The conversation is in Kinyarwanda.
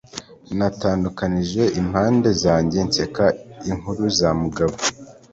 Natandukanije impande zanjye nseka inkuru za Mugabo.